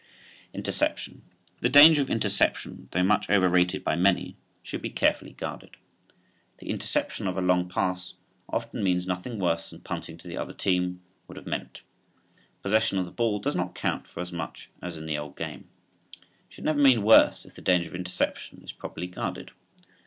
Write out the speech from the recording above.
INTERCEPTION. The danger of interception, though much over rated by many, should be carefully guarded. The interception of a long pass often means nothing worse than punting to the other team would have meant. Possession of the ball does not count for as much as in the old game. It should never mean worse if the danger of interception is properly guarded.